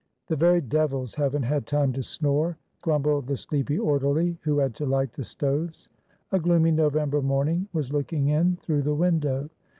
"The very devils have n't had time to snore," grumbled the sleepy orderly who had to light the stoves. A gloomy November morning was looking in through the window.